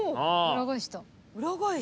裏返した。